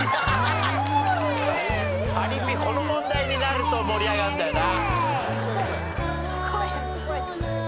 パリピこの問題になると盛り上がるんだよな。